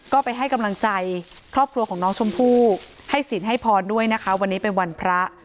ก็ไปให้กำลังใจครอบครัวของน้องชมพู่ให้สินให้พรด้วยนะคะวันนี้เป็นวันพระ